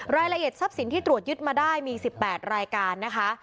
รายละเอียดทรัพย์สินที่ตรวจยึดมาได้มี๑๘รายการนะคะ